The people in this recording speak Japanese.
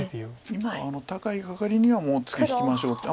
今は高いカカリにはツケ引きましょうって。